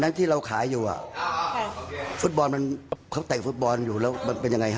ที่เราขายอยู่อ่ะฟุตบอลมันเขาแต่งฟุตบอลอยู่แล้วมันเป็นยังไงฮะ